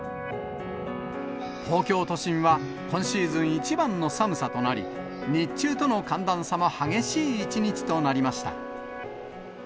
東京都心は今シーズン一番の寒さとなり、日中との寒暖差の激しい一日となりました。